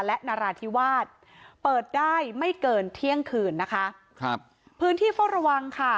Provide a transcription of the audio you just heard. และนราธิวาสเปิดได้ไม่เกินเที่ยงคืนนะคะครับพื้นที่เฝ้าระวังค่ะ